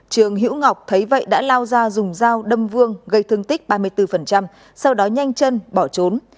trường hữu ngọc thấy vậy đã lao ra dùng dao đâm vương gây thương tích ba mươi bốn sau đó nhanh chân bỏ trốn